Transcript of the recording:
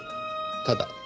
ただ？